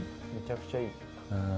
めちゃくちゃいい。